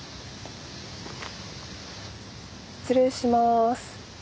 失礼します。